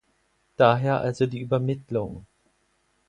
Daher also die Übermittlung.